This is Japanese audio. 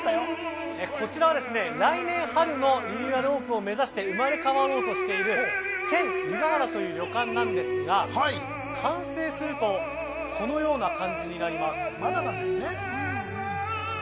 こちらは来年春のリニューアルオープンを目指して生まれ変わろうとしている巛湯河原という旅館なんですが完成するとこのような感じになります。